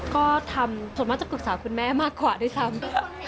ก็ทำส่วนมากจะปรึกษาคุณแม่มากกว่าด้วยซ้ำ